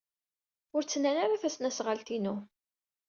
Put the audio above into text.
Ur ttnal ara tasnasɣalt-inu.